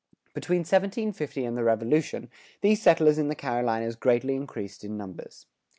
Between 1750 and the Revolution, these settlers in the Carolinas greatly increased in numbers.